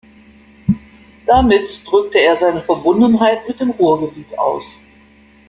Damit drückte er seine Verbundenheit mit dem Ruhrgebiet aus.